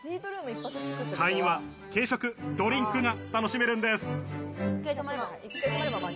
会員は軽食、ドリンクが楽しめるんです。